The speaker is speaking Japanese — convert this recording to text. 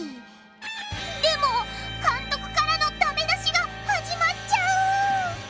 でも監督からのダメ出しが始まっちゃう！